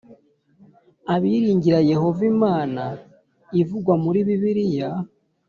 Abiringira Yehova, Imana ivugwa muri Bibiliya,